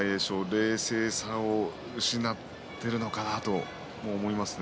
冷静さを失っているのかなと思います。